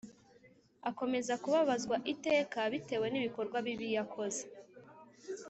akomeza kubabazwa iteka bitewe n’ibikorwa bibi yakoze